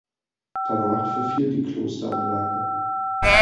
Danach verfiel die Klosteranlage.